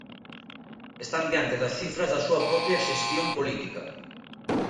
Están diante das cifras da súa propia xestión política.